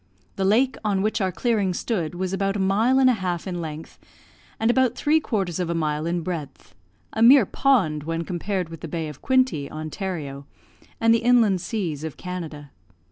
The lake on which our clearing stood was about a mile and a half in length, and about three quarters of a mile in breadth; a mere pond, when compared with the Bay of Quinte, Ontario, and the inland seas of Canada.